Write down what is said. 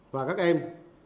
và các em